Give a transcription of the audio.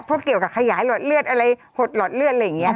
เกี่ยวกับขยายหลอดเลือดอะไรหดหลอดเลือดอะไรอย่างนี้ค่ะ